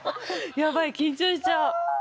ヤバい緊張しちゃう。